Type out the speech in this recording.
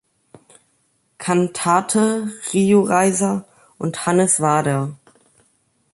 Kantate, Rio Reiser und Hannes Wader.